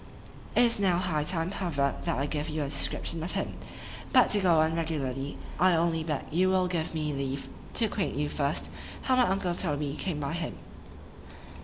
It is now high time, however, that I give you a description of him:—But to go on regularly, I only beg you will give me leave to acquaint you first, how my uncle Toby came by him.